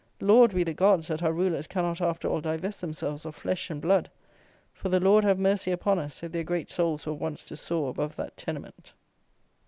Laud we the Gods that our rulers cannot after all divest themselves of flesh and blood! For the Lord have mercy upon us if their great souls were once to soar above that tenement!